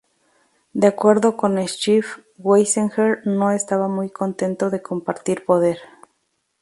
De acuerdo con Schiff, Weisinger no estaba muy contento de ""compartir poder"".